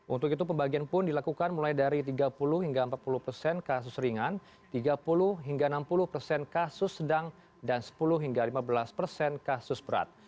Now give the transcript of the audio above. untuk itu pembagian pun dilakukan mulai dari tiga puluh hingga empat puluh persen kasus ringan tiga puluh hingga enam puluh persen kasus sedang dan sepuluh hingga lima belas persen kasus berat